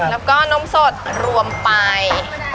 แล้วก็นมสดรวมไป